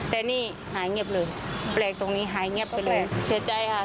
แต่นี่หายเงียบเลยแปลกตรงนี้หายเงียบไปเลยเสียใจค่ะ